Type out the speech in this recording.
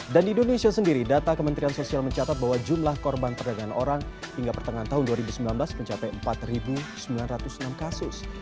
dan di indonesia sendiri data kementerian sosial mencatat bahwa jumlah korban perdagangan orang hingga pertengahan tahun dua ribu sembilan belas mencapai empat sembilan ratus enam kasus